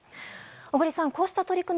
小栗さん、こういった取り組み